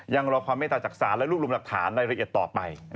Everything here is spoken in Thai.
ยังรอความให้ตัวจากศาลและรูปรุงหลักฐานในระยะต่อไป